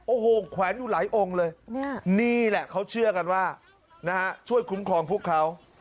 โอ้โหแขวนอยู่หลายองค์เลยนี่แหละเขาเชื่อกันว่านะฮะช่วยคุ้มครองพวกเขา